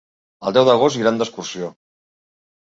El deu d'agost iran d'excursió.